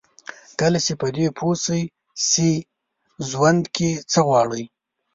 کله چې په دې پوه شئ چې ژوند کې څه غواړئ.